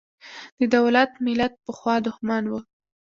د دولت–ملت پخوا دښمن و.